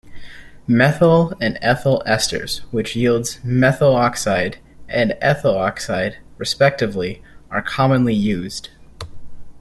Methyl and ethyl esters, which yields methoxide and ethoxide, respectively, are commonly used.